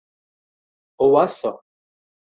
o waso!